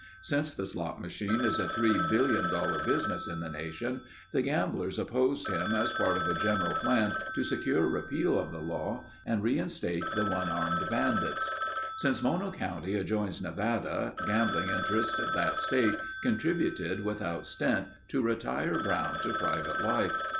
Since the slot machine is a three billion dollar business in the nation, the gamblers opposed him as part of a general plan to secure repeal of the law and reinstate the one arm bandits. Since Mono county adjoins Nevada, gambling interests of that state contributed without stint, to retire Brown to private life.